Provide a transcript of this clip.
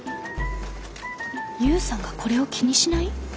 勇さんがこれを気にしない？